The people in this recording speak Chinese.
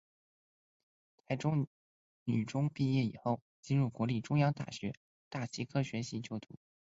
台中女中毕业以后进入国立中央大学大气科学系就读。